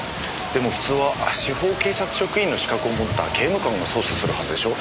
でも普通は司法警察職員の資格を持った刑務官が捜査するはずでしょ？